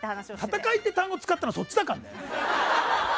戦いっていう単語使ったのそっちだからね？